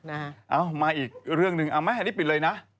เนี่ยมาอีกเรื่องนึงนี่ปิดเลยนะ